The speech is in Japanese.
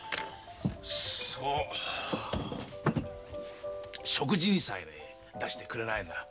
そう食事にさえね出してくれないんだ。